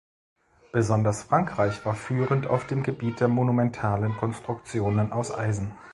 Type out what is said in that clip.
Besonders Frankreich war führend auf dem Gebiet der monumentalen Konstruktionen aus Eisen.